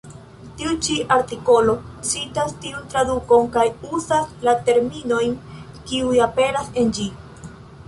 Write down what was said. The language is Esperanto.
Tiu ĉi artikolo citas tiun tradukon kaj uzas la terminojn, kiuj aperas en ĝi.